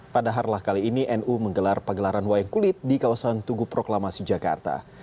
pada harlah kali ini nu menggelar pagelaran wayang kulit di kawasan tugu proklamasi jakarta